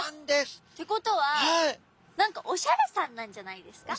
ってことは何かオシャレさんなんじゃないですか？